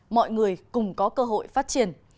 mọi người cùng có cơ hội phát triển